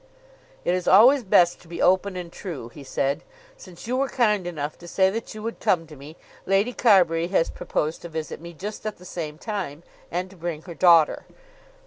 "It is always best to be open and true," he said. "Since you were kind enough to say that you would come to me, Lady Carbury has proposed to visit me just at the same time and to bring her daughter.